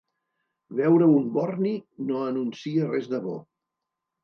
Veure un borni no anuncia res de bo.